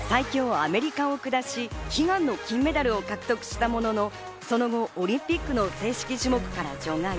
・アメリカを下し悲願の金メダルを獲得したものの、その後オリンピックの正式種目から除外。